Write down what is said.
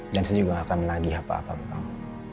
dan saya juga gak akan menaji apa apa ke kamu